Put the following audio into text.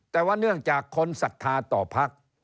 แต่ว่าเนื่องจากคนศรัทธาต่อพัก